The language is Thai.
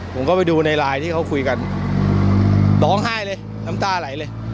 ผมก็ไปดูในไลน์ที่เขาคุยกันร้องไห้เลยน้ำตาไหลเลย